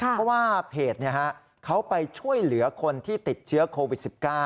เพราะว่าเพจเขาไปช่วยเหลือคนที่ติดเชื้อโควิด๑๙